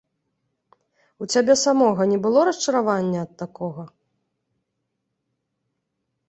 У цябе самога не было расчаравання ад такога?